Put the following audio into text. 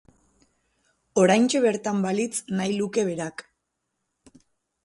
Oraintxe bertan balitz nahi luke berak.